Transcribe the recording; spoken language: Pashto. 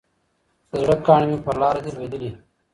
د زړه كاڼى مي پر لاره دى لــوېـدلى